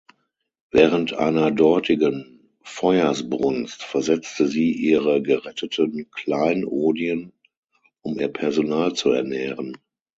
Während einer dortigen Feuersbrunst versetzte sie ihre geretteten Kleinodien, um ihr Personal zu ernähren.